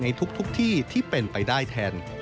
ในทุกที่ที่เป็นไปได้แทน